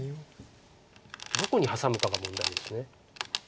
どこにハサむかが問題です。